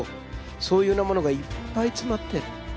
そういうようなものがいっぱい詰まってる。